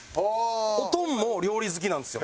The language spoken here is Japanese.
オトンも料理好きなんですよ